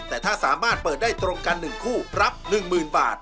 แต่ถ้าสามารถเปิดได้ตรงกัน๑คู่รับ๑๐๐๐บาท